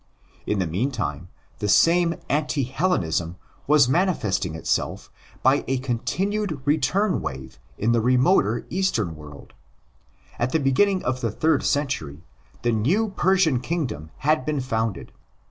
In the meantime, the same anti Hellenism was manifest ing itself by a continued return wave in the remoter PAULINISM 48 Eastern world. At the beginning of the third century the new Persian kingdom had been founded.